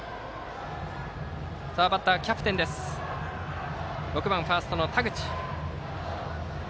バッターはキャプテンの６番ファースト、田口。